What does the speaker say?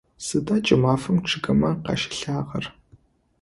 Сыда кӏымафэм чъыгымэ къащилъагъэр?